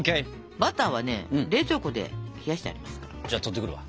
バターは冷蔵庫で冷やしてありますから。